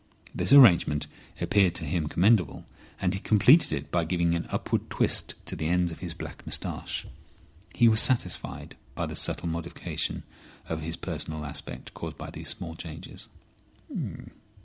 This arrangement appeared to him commendable, and he completed it by giving an upward twist to the ends of his black moustache. He was satisfied by the subtle modification of his personal aspect caused by these small changes.